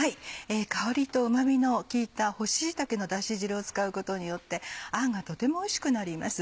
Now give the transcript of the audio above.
香りとうま味の効いた干し椎茸のだし汁を使うことによってあんがとてもおいしくなります。